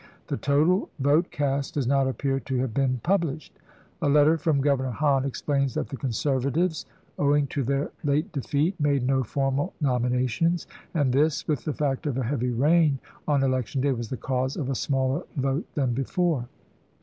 The total vote cast does not appear to have been published. A letter from Governor Hahn explains that the Conservatives, owing to their late defeat, made no formal nominations, and this, with the fact of a heavy rain on election day, was the cause of a smaller vote than before.